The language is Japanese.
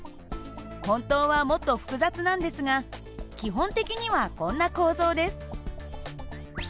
本当はもっと複雑なんですが基本的にはこんな構造です。